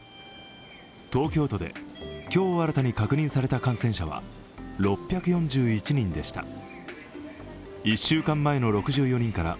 東京都で今日新たに確認された感染者は６４１人でした。